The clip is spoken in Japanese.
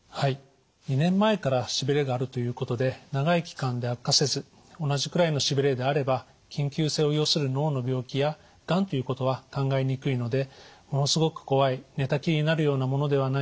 ２年前からしびれがあるということで長い期間で悪化せず同じくらいのしびれであれば緊急性を要する脳の病気やがんということは考えにくいのでものすごく怖い寝たきりになるようなものではないと思います。